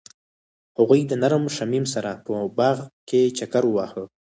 هغوی د نرم شمیم سره په باغ کې چکر وواهه.